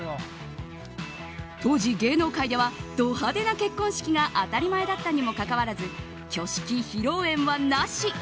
当時、芸能界ではド派手な結婚式が当たり前だったにもかかわらず挙式、披露宴はなし！